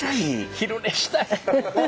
昼寝したい。